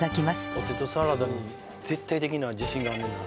ポテトサラダに絶対的な自信があんねんな。